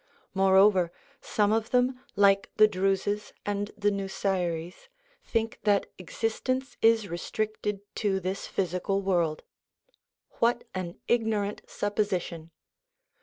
Moreover, some of them, like the Druses and the Nusairis, think that existence is restricted to this physical world. What an ignorant supposition